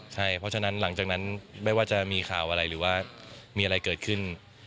ใช่เพราะฉะนั้นหลังจากนั้นไม่ว่าจะมีข่าวอะไรหรือว่ามีอะไรเกิดขึ้น